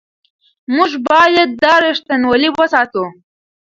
موږ باید دا رښتینولي وساتو.